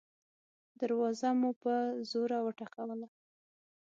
دروازه مو په زوره وټکوله.